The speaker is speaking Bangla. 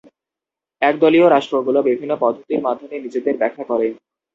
একদলীয় রাষ্ট্রগুলি বিভিন্ন পদ্ধতির মাধ্যমে নিজেদের ব্যাখ্যা করে।